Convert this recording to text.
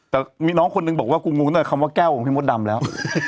แต่มีน้องคนนึงบอกว่ากูงงตั้งแต่คำว่าแก้วของพี่มดดำแล้ว